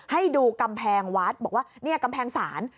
ให้ดูกำแพงวัดบอกว่าเนี่ยกำแพงศาล